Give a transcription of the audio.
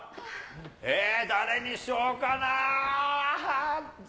誰にしようかな。